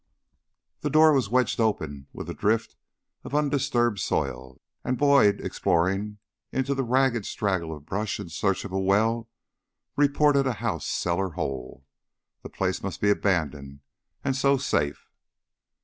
The door was wedged open with a drift of undisturbed soil and Boyd, exploring into a ragged straggle of brush in search of a well, reported a house cellar hole. The place must be abandoned and so safe.